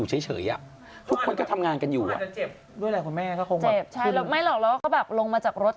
ใช่แล้วไม่หรอกแล้วก็ลงมาจากรถ